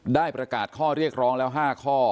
ได้ประกาศข้อเรียกร้องแล้ว๕ข้อ